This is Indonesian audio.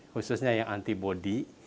khususnya yang anti bodi